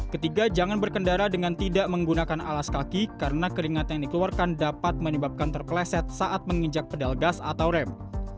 ketiga jangan berkendara dengan tidak menggunakan alas kaki karena keringat yang dikeluarkan dapat menyebabkan terpeleset saat menginjak pedal gas atau rem